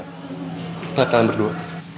selamat tahun berdua